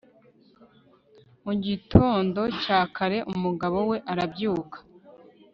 mu gitondo cya kare, umugabo we arabyuka